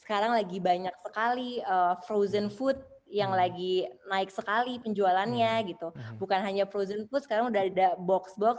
sekarang lagi banyak sekali frozen food yang lagi naik sekali penjualannya gitu bukan hanya frozen food sekarang udah ada box box